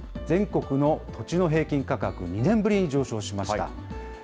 全国の土地の平均価格、２年ぶりに上昇しました。